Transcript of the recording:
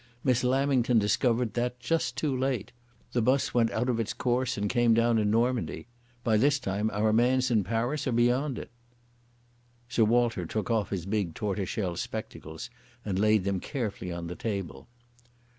Miss Lamington discovered that just too late. The bus went out of its course and came down in Normandy. By this time our man's in Paris or beyond it." Sir Walter took off his big tortoiseshell spectacles and laid them carefully on the table.